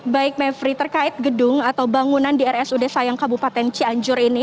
baik mevri terkait gedung atau bangunan di rsud sayang kabupaten cianjur ini